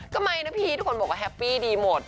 ไม่นะพี่ทุกคนบอกว่าแฮปปี้ดีหมด